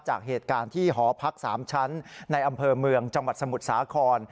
จากเหตุการณ์ที่หอพัก๓ชั้นในอำเภอเมืองจังหวัดสมุทรสาคร